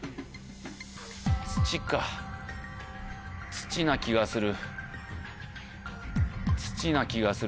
土な気がする。